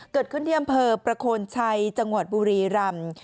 เกิดขึ้นที่อำเภอประโคนชัยจังหวัดบุรีรำ